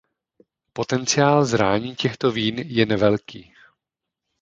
Potenciál zrání těchto vín je nevelký.